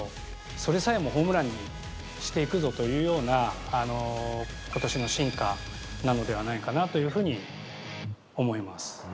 それさえもホームランにしていくぞというような、ことしの進化なのではないかなというふうに思います。